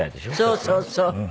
そうそうそう。